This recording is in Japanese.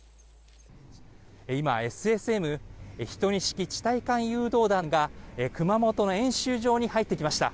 今ＳＳＭ・１２式地対艦誘導弾が熊本の演習場に入ってきました。